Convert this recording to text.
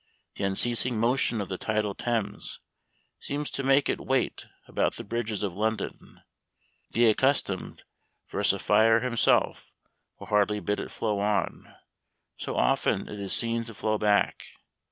The unceasing motion of the tidal Thames seems to make it wait about the bridges of London. The accustomed versifier himself will hardly bid it flow on, so often is it seen to flow back.